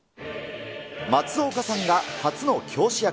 松岡さんが初の教師役。